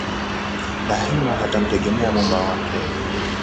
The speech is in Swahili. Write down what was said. Daima atamtegemea Muumba wake